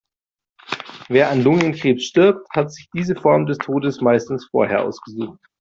Wer an Lungenkrebs stirbt, hat sich diese Form des Todes meistens vorher ausgesucht.